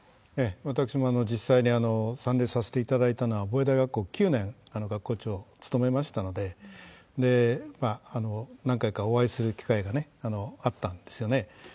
私も実際に参列させていただいたのは、防衛大学校９年、学校長を務めましたので、何回かお会いする機会があったんですよね。